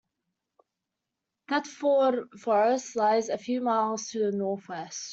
Thetford Forest lies a few miles to the north west.